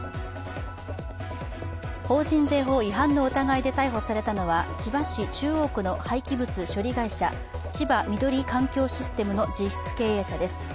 法人税法違反の疑いで逮捕されたのは千葉市中央区の廃棄物処理会社千葉緑環境システムの実質経営者です。